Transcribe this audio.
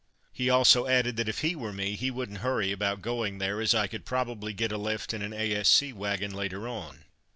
He also added that if he were me he wouldn't hurry about going there, as I could probably get a lift in an A.S.C. wagon later on.